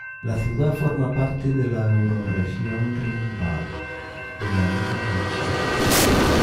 La ciudad forma parte de la Eurorregión Rin-Waal, de la Liga Hanseática.